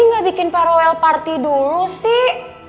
ya kita bikin paroel party dulu sih